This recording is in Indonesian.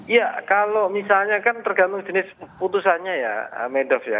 ya kalau misalnya kan tergantung jenis putusannya ya medof ya